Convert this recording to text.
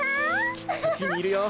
きっときにいるよ。